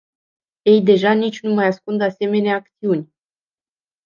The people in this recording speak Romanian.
Ei deja nici nu mai ascund asemenea acțiuni.